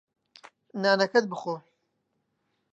نانەکەت بخۆ.